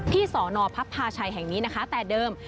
ที่สรพระพาชัยแห่งนี้นะคะแต่เดิม